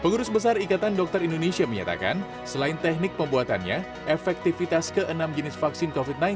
kursus besar ikatan dokter indonesia menyatakan selain teknik pembuatannya efektifitas keenam jenis vaksin covid sembilan belas